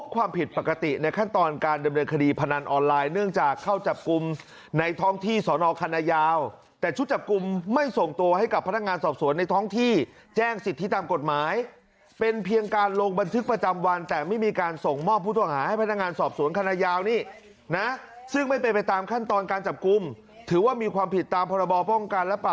ใครกระทำบ้างใครสั่งการบ้าง